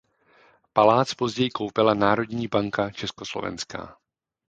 Palác později koupila Národní banka Československá.